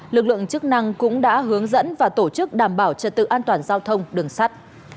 lực lượng chức năng cũng đã hướng dẫn và tổ chức đảm bảo trật tự an toàn giao thông đường sắt